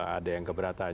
ada yang keberatan